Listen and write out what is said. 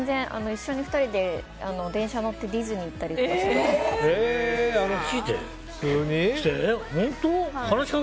一緒に２人で電車に乗ってディズニー行ったりしてました。